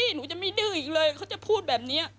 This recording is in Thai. หนูจะไม่ดื้ออีกเลยเขาจะพูดแบบนี้